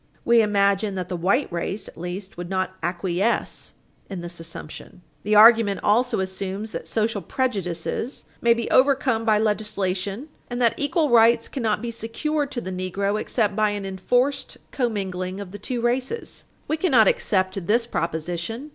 We imagine that the white race, at least, would not acquiesce in this assumption. The argument also assumes that social prejudices may be overcome by legislation, and that equal rights cannot be secured to the negro except by an enforced commingling of the two races. We cannot accept this proposition.